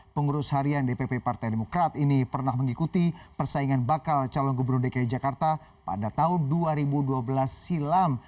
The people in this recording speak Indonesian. pengurus harian dpp partai demokrat ini pernah mengikuti persaingan bakal calon gubernur dki jakarta pada tahun dua ribu dua belas silam